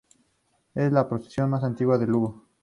Es la procesión más antigua de Lugo.